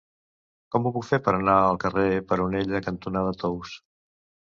Com ho puc fer per anar al carrer Peronella cantonada Tous?